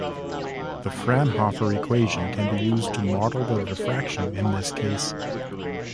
The Fraunhofer equation can be used to model the diffraction in this case.